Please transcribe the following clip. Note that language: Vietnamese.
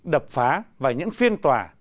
đập phá và những phiên tòa